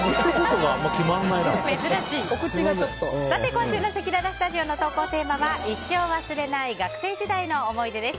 今週のせきららスタジオの投稿テーマは一生忘れない学生時代の思い出です。